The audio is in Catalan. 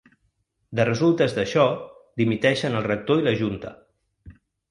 De resultes d’això, dimiteixen el rector i la junta.